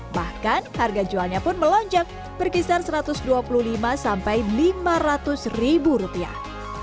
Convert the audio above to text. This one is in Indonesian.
bahkan harga jualnya pun melonjak berkisar satu ratus dua puluh lima sampai lima ratus ribu rupiah